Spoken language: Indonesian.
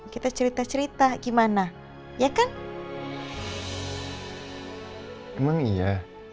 kita cerita cerita gimana ya kan emang iya